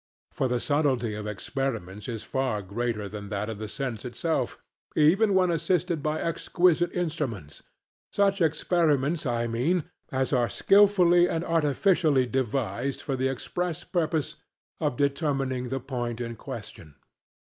For the subtlety of experiments is far greater than that of the sense itself, even when assisted by exquisite instruments; such experiments, I mean, as are skilfully and artificially devised for the express purpose of determining the point in question.